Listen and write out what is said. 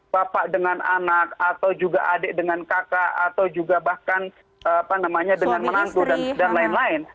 bapak dengan anak atau juga adik dengan kakak atau juga bahkan dengan menantu dan lain lain